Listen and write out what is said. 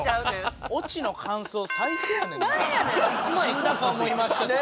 死んだと思いましたとか。